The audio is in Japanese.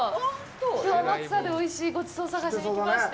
きょう天草でおいしいごちそうを探しに来まして。